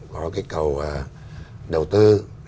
có kích cầu đầu tư